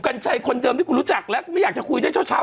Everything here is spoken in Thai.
กันใจคนเดิมที่กูรู้จักแล้วไม่อยากจะคุยได้เช้า